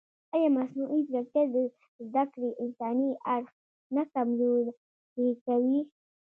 ایا مصنوعي ځیرکتیا د زده کړې انساني اړخ نه کمزوری کوي؟